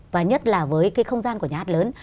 và nhất là với cái không gian của nhà hát lớn